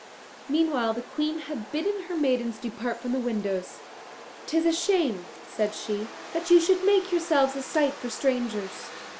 Meanwhile the Queen had bidden her maidens depart from the windows. "'Tis a shame," said she, "that you should make yourselves a sight for strangers."